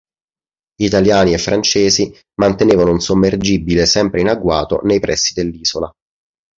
Italiani e francesi mantenevano un sommergibile sempre in agguato nei pressi dell'isola.